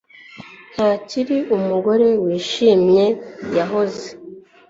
Ntakiri umugore wishimye yahoze